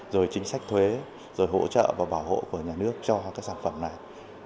rồi chính sách thuế rồi hỗ trợ và bảo hộ của nhà nước cho các sản phẩm này